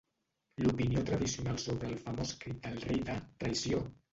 L'opinió tradicional sobre el famós crit del rei de "traïció!".